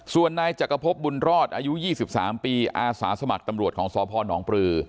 ส่วนนายจักรพบบุญรอดอายุ๒๓ปีอาสาสมัครตำรวจของสพนปลือ